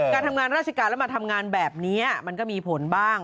การทำงานราชการแล้วมาทำงานแบบนี้มันก็มีผลบ้าง